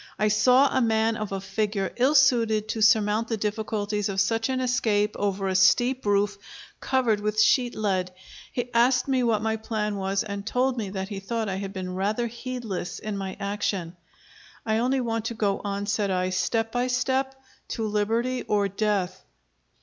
I saw a man of a figure ill suited to surmount the difficulties of such an escape over a steep roof covered with sheet lead. He asked me what my plan was, and told me that he thought I had been rather heedless in my action. "I only want to go on," said I, "step by step to liberty or death."